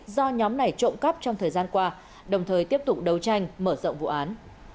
do nhóm này trộm cắp trong thời gian qua đồng thời tiếp tục đấu tranh mở rộng vụ án